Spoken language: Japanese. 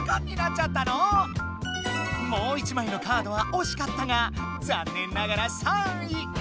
もう一枚のカードはおしかったがざんねんながら３位！